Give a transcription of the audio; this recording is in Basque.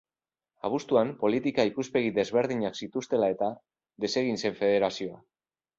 Abuztuan, politika ikuspegi desberdinak zituztela eta, desegin zen Federazioa.